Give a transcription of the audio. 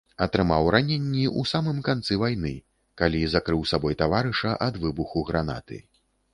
Атрымаў раненні ў самым канцы вайны, калі закрыў сабой таварыша ад выбуху гранаты.